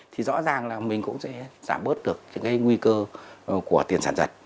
thì rõ ràng là mình cũng sẽ giảm bớt được những nguy cơ của tiền sản dật